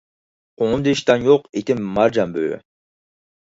قوڭۇمدا ئىشتان يوق، ئېتىم مارجان بۈۋى.